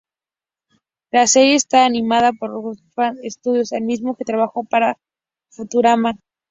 La serie está animada por Rough Draft Studios, el mismo que trabajó para Futurama.